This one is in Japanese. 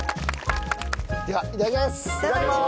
ではいただきます。